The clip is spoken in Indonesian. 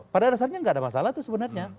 pada dasarnya tidak ada masalah itu sebenarnya